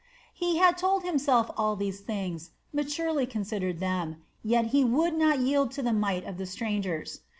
He had told himself all these things, maturely considered them, yet he would not yield to the might of the strangers.